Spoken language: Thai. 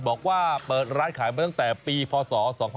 บอกว่าเปิดร้านขายมาตั้งแต่ปีพศ๒๕๖๒